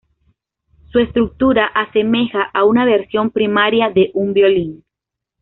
Su estructura asemeja a una versión primaria de un violín.